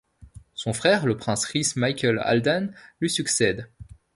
Son frère le prince Rhys Michael Haldane lui succède.